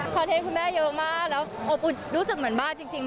เทนต์คุณแม่เยอะมากแล้วอบอุดรู้สึกเหมือนบ้าจริง